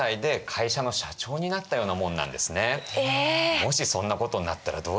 もしそんなことになったらどうします？